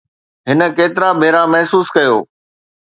هن ڪيترا ڀيرا محسوس ڪيو؟